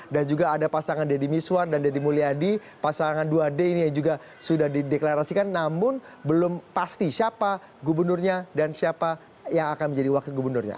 dan juga ada pasangan deddy miswan dan deddy mulyadi pasangan dua d ini yang juga sudah dideklarasikan namun belum pasti siapa gubernurnya dan siapa yang akan menjadi wakil gubernurnya